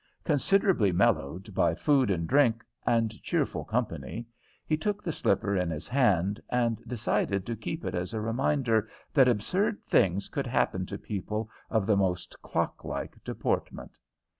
Considerably mellowed by food and drink and cheerful company, he took the slipper in his hand and decided to keep it as a reminder that absurd things could happen to people of the most clocklike deportment.